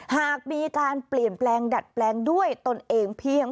หากมีการเปลี่ยนแปลงดัดแปลงด้วยตนเองเพียง